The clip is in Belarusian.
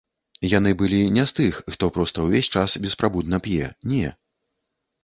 Яны былі не з тых, хто проста ўвесь час беспрабудна п'е, не.